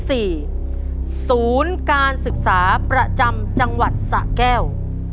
ศูนย์การศึกษาประจำจังหวัดสะแก้ว